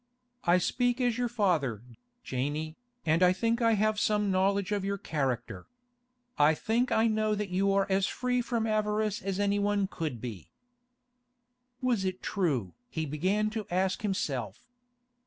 I speak as your father, Janey, and I think I have some knowledge of your character. I think I know that you are as free from avarice as anyone could be.' Was it true? he began to ask himself.